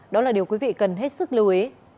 đó là điều quý vị cần hết sức lưu ý